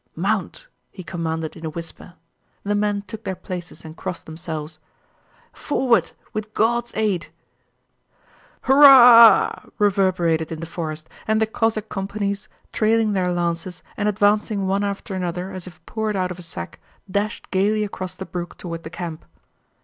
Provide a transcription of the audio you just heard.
"Mount!" he commanded in a whisper. The men took their places and crossed themselves.... "Forward, with God's aid!" "Hurrah ah ah!" reverberated in the forest, and the Cossack companies, trailing their lances and advancing one after another as if poured out of a sack, dashed gaily across the brook toward the camp.